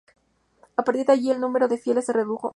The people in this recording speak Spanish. A partir de ahí el número de fieles se redujo.